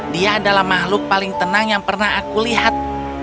dia adalah makhluk paling tenang yang pernah aku lihat